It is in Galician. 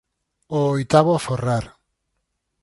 O oitavo aforrar.